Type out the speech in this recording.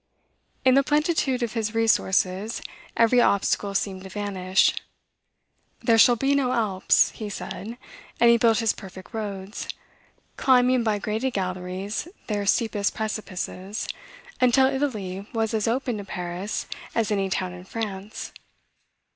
In the plenitude of his resources, every obstacle seemed to vanish. "There shall be no Alps," he said; and he built his perfect roads, climbing by graded galleries their steepest precipices, until Italy was as open to Paris as any town in France.